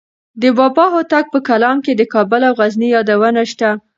د بابا هوتک په کلام کې د کابل او غزني یادونه شته.